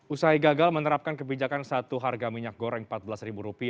usai gagal menerapkan kebijakan satu harga minyak goreng rp empat belas